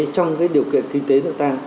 trong điều kiện kinh tế của chúng ta